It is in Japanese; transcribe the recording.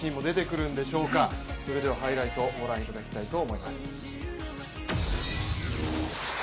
それではハイライトご覧いただきたいと思います。